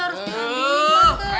harus diri tante